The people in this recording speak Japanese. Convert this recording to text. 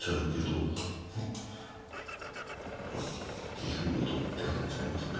棋風は取って跳ねちゃいますね